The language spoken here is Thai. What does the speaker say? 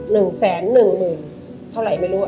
หนึ่งแสนหนึ่งหมื่นเท่าไหร่ไม่รู้